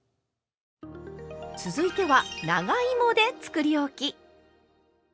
続いては長芋でつくりおき。